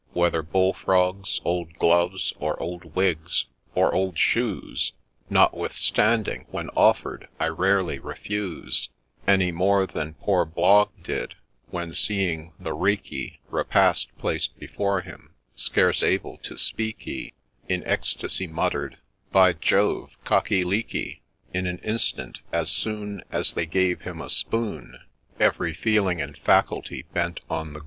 Whether bull frogs, old gloves, or old wigs, or old shoes ; Notwithstanding, when offer'd I rarely refuse, THE BAGMAN'S DOG 201 Any more than poor Blogg did, when, seeing the reeky Repast placed before him, scarce able to speak, he In ecstacy mutter'd ' By Jove, Cocky leeky 1 ' In an instant, as soon As they gave him a spoon Every feeling and faculty bent on the.